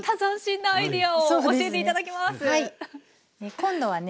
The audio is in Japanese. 今度はね